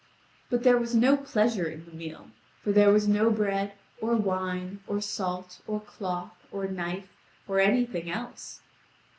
But there was no pleasure in the meal, for there was no bread, or wine, or salt, or cloth, or knife, or anything else.